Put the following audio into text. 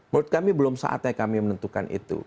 menurut kami belum saatnya kami menentukan itu